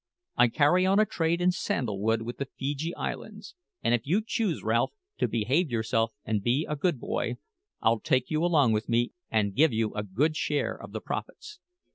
I carry on a trade in sandal wood with the Feejee Islands; and if you choose, Ralph, to behave yourself and be a good boy, I'll take you along with me and give you a good share of the profits.